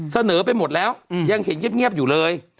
เสนอไปหมดแล้วยังเห็นเงียบอยู่เลย